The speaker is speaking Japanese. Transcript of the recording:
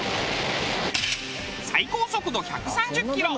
最高速度１３０キロ。